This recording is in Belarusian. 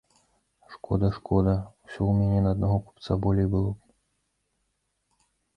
Шкода, шкода, усё ў мяне на аднаго купца болей было б!